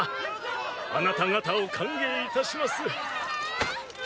あなた方を歓迎いたします。